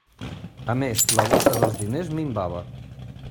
A més, la bossa dels diners minvava.